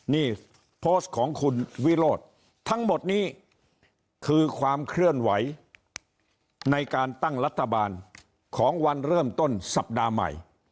นี่โพสต์ของคุณวิโรธทั้งหมดนี้คือความเคลื่อนไหวในการตั้งรัฐบาลของวันเริ่มต้นสัปดาห์ใหม่